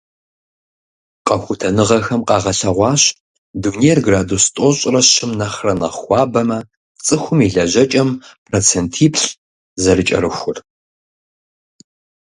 Къэхутэныгъэхэм къагъэлъэгъуащ дунейр градус тӏощӏрэ щым нэхърэ нэхъ хуабэмэ, цӀыхум и лэжьэкӀэм процентиплӏ зэрыкӀэрыхур.